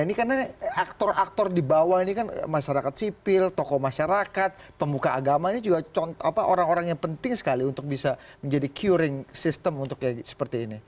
ini karena aktor aktor di bawah ini kan masyarakat sipil tokoh masyarakat pemuka agama ini juga orang orang yang penting sekali untuk bisa menjadi curing system untuk seperti ini